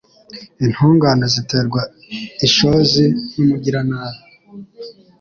Intungane ziterwa ishozi n’umugiranabi